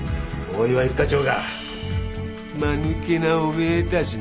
大岩一課長！